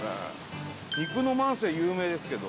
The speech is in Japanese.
肉の万世有名ですけど。